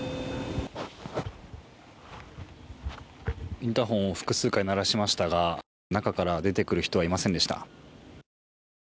インターホンを複数回鳴らしましたが中から出てくる人はいませんでした。